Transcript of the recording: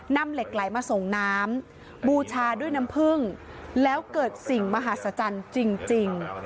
นำเหล็กไหลมาส่งน้ำบูชาด้วยน้ำผึ้งแล้วเกิดสิ่งมหาศจรรย์จริง